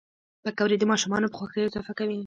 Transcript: پکورې د ماشومانو په خوښیو اضافه کوي